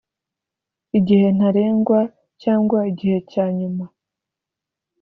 igihe ntarengwa cyangwa igihe cya nyuma